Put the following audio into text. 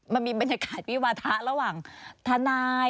มันมีบรรยากาศวิวาทะระหว่างทนาย